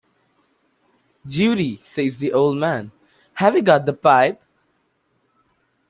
"Judy," says the old man, "have you got the pipe?"